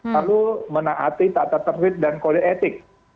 lalu menaati tata terbit dan kode etik